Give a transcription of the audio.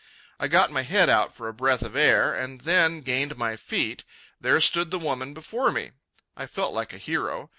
I got my head out for a breath of air and then gained my feet. There stood the woman before me. I felt like a hero.